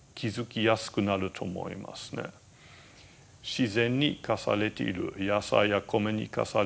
自然に生かされている野菜や米に生かされている。